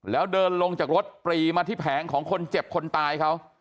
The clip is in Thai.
แล้วเดินลงจากรถปรีมาที่แผงของคนเจ็บคนตายเขา